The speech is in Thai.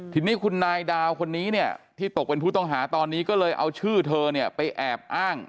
ทีนี้คุณนายดาวคนนี้เนี่ยที่ตกเป็นผู้ต้องหาตอนนี้ก็เลยเอาชื่อเธอเนี่ยไปแอบอ้าง